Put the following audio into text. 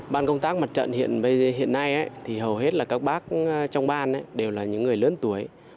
ban công tác mặt trận hiện nay thì hầu hết là các bác trong ban đều là những người lớn tuổi